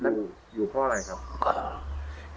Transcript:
อยู่เพราะอะไรครับ